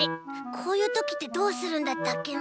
こういうときってどうするんだったっけな？